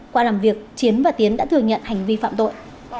qua làm việc chiến và tiến đã thừa nhận hành vi phạm tội